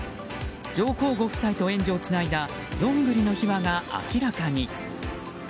上皇ご夫妻と園児をつないだどんぐりの秘話が明らかに。